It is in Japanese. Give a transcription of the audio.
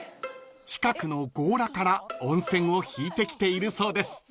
［近くの強羅から温泉を引いてきているそうです］